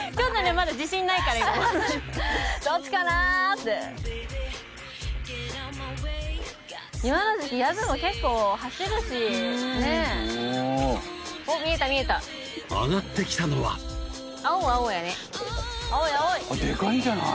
まだ自信ないから今どっちかな？って今の時期ヤズも結構走るしねぇおっ見えた見えた上がってきたのは青物は青物やね青い青いデカいんじゃない？